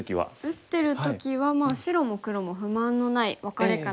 打ってる時は白も黒も不満のないワカレかなと思ってました。